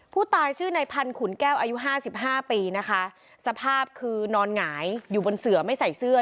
ผู้ตายชื่อในพันธุนแก้วอายุห้าสิบห้าปีนะคะสภาพคือนอนหงายอยู่บนเสือไม่ใส่เสื้อ